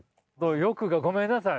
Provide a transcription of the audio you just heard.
欲がごめんなさい。